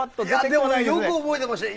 でも、よく覚えてましたね。